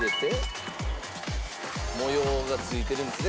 「模様が付いてるんですね